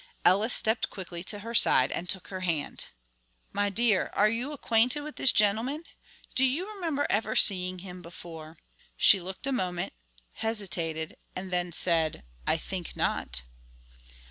Ellis stepped quickly to her side and took her hand. "My dear, are you acquainted with this gentleman? Do you remember ever seeing him before?" She looked a moment, hesitated, and then said: "I think not."